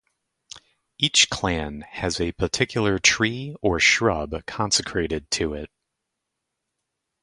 Each clan has a particular tree or shrub consecrated to it.